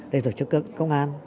để tổ chức công an